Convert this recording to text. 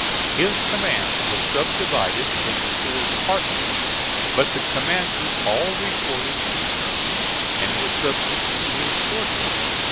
His command was subdivided into four departments, but the commanders all reported to Sherman and were subject to his orders.